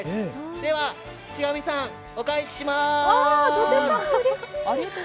では、渕上さん、お返しします。